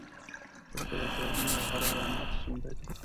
دلته د کورنۍ یو غړی رماتیزم لري.